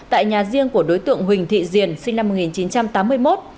tại nhà riêng của đối tượng huỳnh thị diền sinh năm một nghìn chín trăm tám mươi một